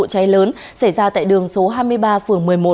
vụ cháy lớn xảy ra tại đường số hai mươi ba phường một mươi một